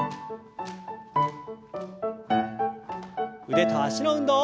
腕と脚の運動。